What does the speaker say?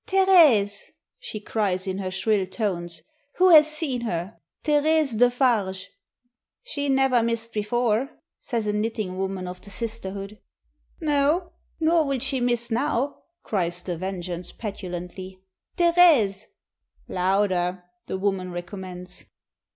"Therese!" she cries, in her shrill tones. "Who has seen her? Therese Defarge!" 330 AT THE GUILLOTINE " She never missed before," says a knitting woman of the sisterhood. "No; nor will she miss now," cries The Vengeance petulantly. "Therese." "Louder," the woman recommends.